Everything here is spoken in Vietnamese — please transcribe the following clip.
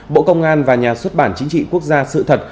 bộ công an và nhà xuất bản chính trị quốc gia sự thật